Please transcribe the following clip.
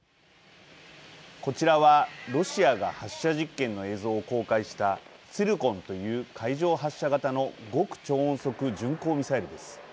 こちらは、ロシアが発射実験の映像を公開したツィルコンという海上発射型の極超音速巡航ミサイルです。